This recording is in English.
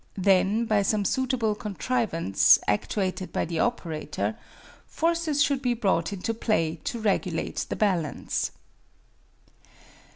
Then by some suitable contrivance, actuated by the operator, forces should be brought into play to regulate the balance.